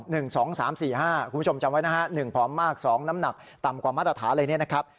คุณผู้ชมจำไว้๑พร้อมมาก๒น้ำหนักต่ำกว่ามาตรฐาน